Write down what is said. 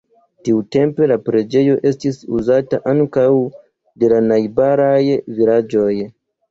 Tiutempe la preĝejo estis uzata ankaŭ de la najbaraj vilaĝoj.